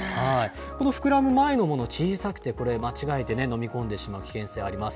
この膨らむ前のもの、小さくて、これ、間違えて飲み込んでしまう危険性あります。